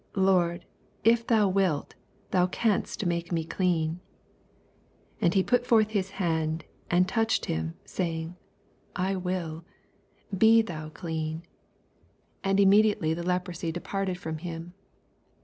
Lord, if thou wilt, thou canst mflse me clean. 13 And he put forth his hand, and touched him, saying, I will : be thou l36 BXP08IT0RY THOUaHTS. clean. And immediato«7 the leprosy departed from him.